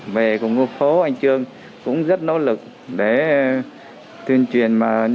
về cùng phố anh trương cũng rất nỗ lực để tuyên truyền